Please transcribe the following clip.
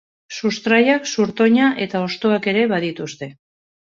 Sustraiak, zurtoina eta hostoak ere badituzte.